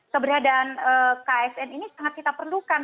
keberadaan ksn ini sangat kita perlukan